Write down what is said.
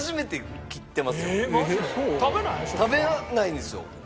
食べないんですよ。